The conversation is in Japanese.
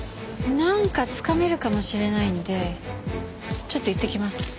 なんかつかめるかもしれないんでちょっと行ってきます。